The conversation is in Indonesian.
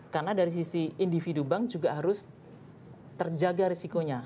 karena dari sisi individu bank juga harus terjaga risikonya